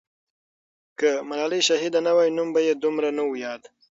که ملالۍ شهیده نه وای، نوم به یې دومره نه وو یاد.